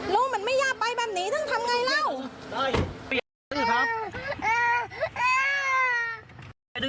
ลูกไม่ยากไปแบบนี้ได้อย่างไร